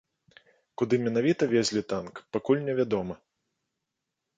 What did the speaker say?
Куды менавіта везлі танк, пакуль невядома.